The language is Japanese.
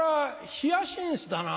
ヒヤシンスだな。